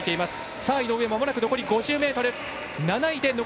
井上、まもなく残り５０ｍ。